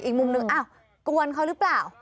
อีกมุมหนึ่งอ้าวกวนเขาหรือเปล่า